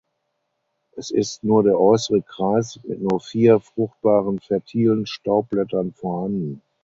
Es ist nur der äußere Kreis mit nur vier fruchtbaren (fertilen) Staubblättern vorhanden.